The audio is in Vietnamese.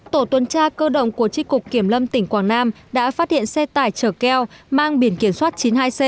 tổ tuần tra cơ động của trích cục kiểm lâm tỉnh quảng nam đã phát hiện xe tải trở keo mang biển kiểm soát chín mươi hai c một mươi một nghìn hai mươi năm